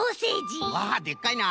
あっでっかいな。